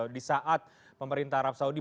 di saat pemerintah arab saudi